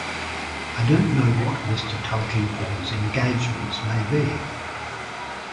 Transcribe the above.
I don't know what Mr. Tulkinghorn's engagements may be.